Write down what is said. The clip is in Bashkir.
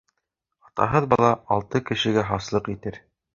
Атаһыҙ бала алты кешегә хаслыҡ итер.